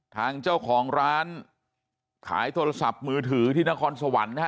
ทางเจ้าของร้านขายโทรศัพท์มือถือที่นครสวรรค์นะฮะ